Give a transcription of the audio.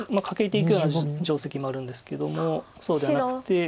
カケていくような定石もあるんですけどもそうではなくて。